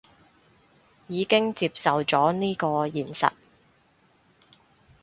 已經接受咗呢個現實